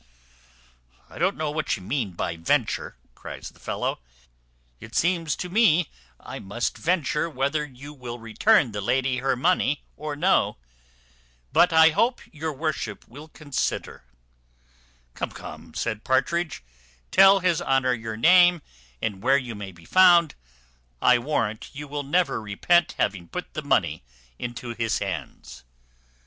"I don't know what you mean by venture," cries the fellow; "it seems I must venture whether you will return the lady her money or no; but I hope your worship will consider " "Come, come," said Partridge, "tell his honour your name, and where you may be found; I warrant you will never repent having put the money into his hands."